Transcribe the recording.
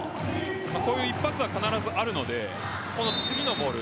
こういう一発は必ずあるのでこの次のボール